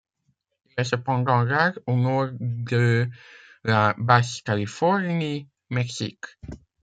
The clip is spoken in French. Il est cependant rare au nord de la Basse-Californie, Mexique.